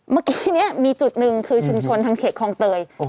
เมื่อกี้นี้มีจุดหนึ่งคือชุมชนทางเขตคลองเตย